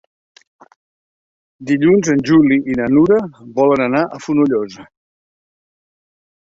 Dilluns en Juli i na Nura volen anar a Fonollosa.